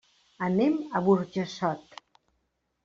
Anem a Burjassot.